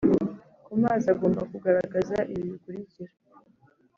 ku mazi agomba kugaragaza ibi bikurikira: